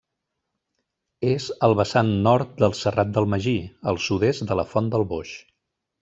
És al vessant nord del Serrat del Magí, al sud-est de la Font del Boix.